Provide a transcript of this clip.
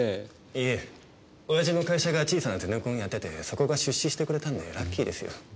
いえ親父の会社が小さなゼネコンをやっててそこが出資してくれたんでラッキーですよ。